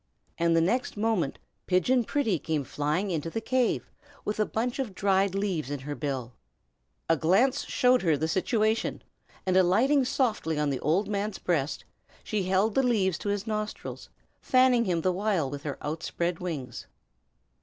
and the next moment Pigeon Pretty came flying into the cave, with a bunch of dried leaves in her bill. A glance showed her the situation, and alighting softly on the old man's breast she held the leaves to his nostrils, fanning him the while with her outspread wings.